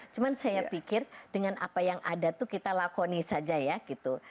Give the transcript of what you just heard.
cuma saya pikir dengan apa yang ada tuh kita lakoni saja ya gitu